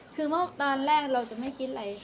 คือตอนแรกเราจะไม่คิดอะไร